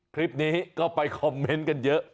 คลิปนี้ก็ไปคอมเมนต์กันเยอะ